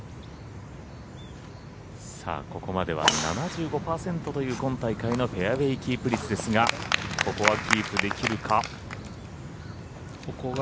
ここまでは７５％という今大会のフェアウエーキープ率ですがここはキープできるか。